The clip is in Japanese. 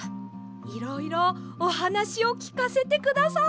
いろいろおはなしをきかせてください！